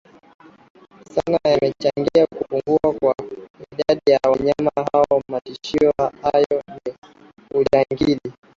sana yamechangia kupungua kwa idadi ya wanyama hawa Matishio hayo ni ujangili